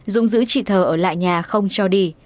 dung giữ chị thờ ở lại nhà không cho đi